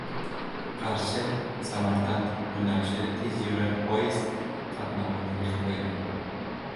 Qarshi–Samarqand yo‘nalishida tezyurar poezd qatnovi yo‘lga qo‘yiladi